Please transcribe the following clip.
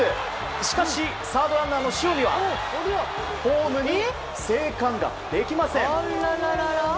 しかし、サードランナーの塩見はホームに生還できません。